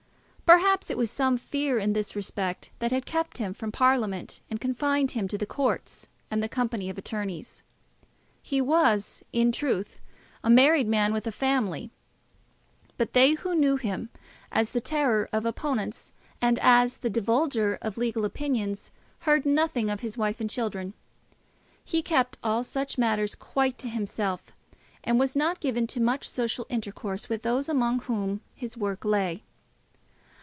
Perhaps it was some fear in this respect that had kept him from Parliament and confined him to the courts and the company of attorneys. He was, in truth, a married man with a family; but they who knew him as the terror of opponents and as the divulger of legal opinions, heard nothing of his wife and children. He kept all such matters quite to himself, and was not given to much social intercourse with those among whom his work lay.